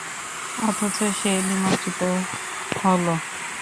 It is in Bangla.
অথচ সে নিমজ্জিত হলো।